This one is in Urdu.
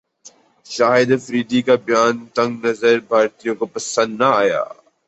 شاہد افریدی کا بیان تنگ نظر بھارتیوں کو پسند نہ ایا